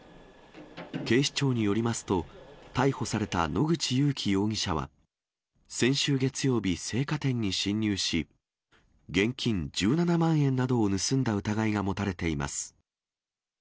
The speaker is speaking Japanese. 警視庁によりますと、逮捕された野口勇樹容疑者は、先週月曜日、青果店に侵入し、現金１７万円などを盗んだ疑いが持たれています。